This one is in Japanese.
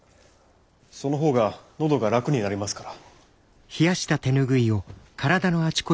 そのほうが喉が楽になりますから。